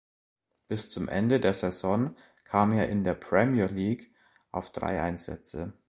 Bis zum Ende der Saison kam er in der Premier League auf drei Einsätze.